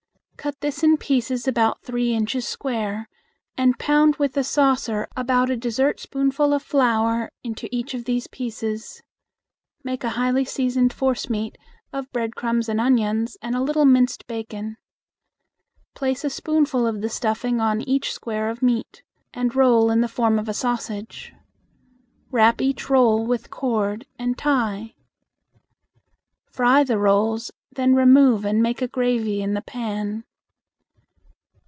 Cut this in pieces about three inches square, and pound with a saucer about a dessert spoonful of flour into each of these pieces. Make a highly seasoned forcemeat of breadcrumbs and onions and a little minced bacon. Place a spoonful of the stuffing on each square of meat, and roll in the form of a sausage. Wrap each roll with cord and tie. Fry the rolls, then remove and make a gravy in the pan.